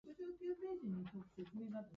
アイスが食べたい